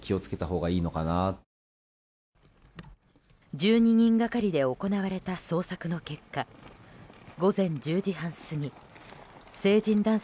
１２人がかりで行われた捜索の結果午前１０時半過ぎ成人男性